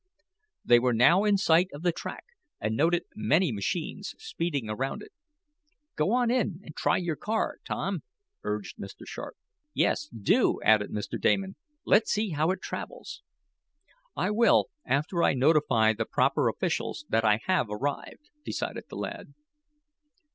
They were now in sight of the track, and noted many machines speeding around it. "Go on in and try your car, Tom," urged Mr. Sharp. "Yes, do," added Mr. Damon. "Let's see how it travels." "I will, after I notify the proper officials that I have arrived," decided the lad.